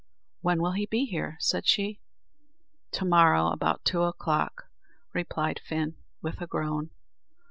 "When will he be here?" said she. "To morrow, about two o'clock," replied Fin, with a groan.